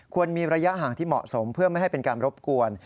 มีระยะห่างที่เหมาะสมเพื่อไม่ให้เป็นการรบกวน